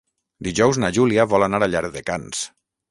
Dijous na Júlia vol anar a Llardecans.